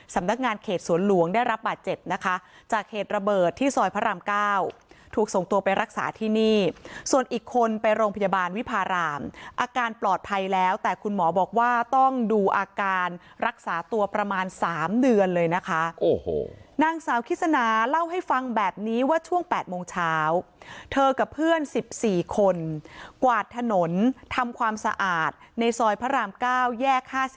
เขตสวนหลวงได้รับบาดเจ็บนะคะจากเหตุระเบิดที่ซอยพระราม๙ถูกส่งตัวไปรักษาที่นี่ส่วนอีกคนไปโรงพยาบาลวิพารามอาการปลอดภัยแล้วแต่คุณหมอบอกว่าต้องดูอาการรักษาตัวประมาณ๓เดือนเลยนะคะโอ้โหนางสาวคิสนาเล่าให้ฟังแบบนี้ว่าช่วง๘โมงเช้าเธอกับเพื่อน๑๔คนกวาดถนนทำความสะอาดในซอยพระราม๙แยก๕๐